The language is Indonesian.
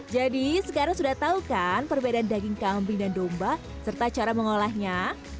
jadi sekarang sudah tahu kan perbedaan daging kambing dan domba serta cara mengolahnya